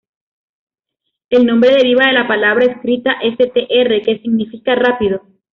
El nombre deriva de la palabra escita "Str", que significa rápido.